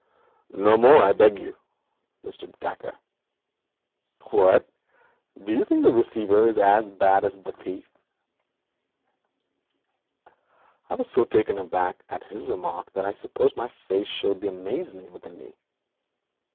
'No more, I beg of you, Mr. Dacre.' 'What, do you think the receiver is as bad as the thief?' I was so taken aback by this remark that I suppose my face showed the amazement within me.